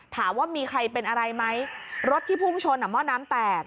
ถามว่ามีใครเป็นอะไรไหมรถที่พุ่งชนอ่ะหม้อน้ำแตก